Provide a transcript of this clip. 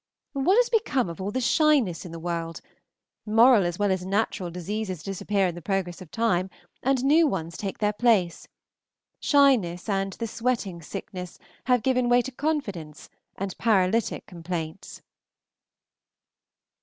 What is become of all the shyness in the world? Moral as well as natural diseases disappear in the progress of time, and new ones take their place. Shyness and the sweating sickness have given way to confidence and paralytic complaints.